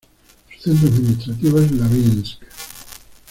Su centro administrativo es Labinsk.